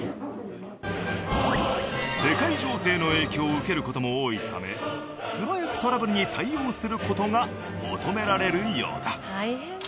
世界情勢の影響を受ける事も多いため素早くトラブルに対応する事が求められるようだ。